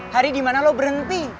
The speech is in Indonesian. hari dimana lo berhenti